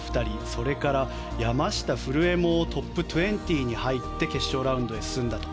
それから山下、古江もトップ２０に入って決勝ラウンドへ進んだと。